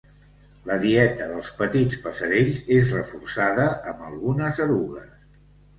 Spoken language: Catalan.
La dieta dels petits passerells és reforçada amb algunes erugues.